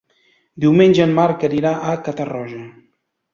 Diumenge en Marc anirà a Catarroja.